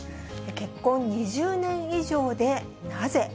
結婚２０年以上でなぜ？